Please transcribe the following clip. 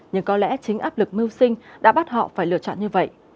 nhưng có lẽ chính áp lực mưu sinh đã bắt họ phải lựa chọn như vậy